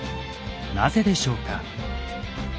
なぜでしょうか？